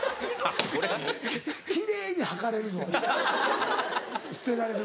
奇麗に掃かれるぞ捨てられる。